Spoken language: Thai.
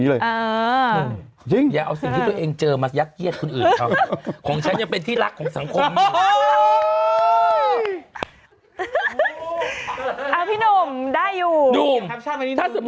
กลายเป็นคลิปที่ถูกพูดถึงอย่างมากในโลกออนไลน์